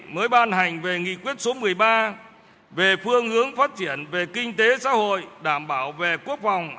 mới ban hạng các đồng chí mới đây bộ chính trị mới ban hạng các đồng